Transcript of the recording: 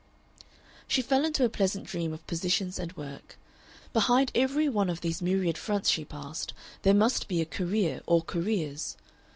She fell into a pleasant dream of positions and work. Behind every one of these myriad fronts she passed there must be a career or careers.